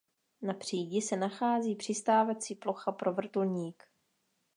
Na přídi se nachází přistávací plocha pro vrtulník.